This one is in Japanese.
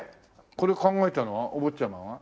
これ考えたのはお坊ちゃま？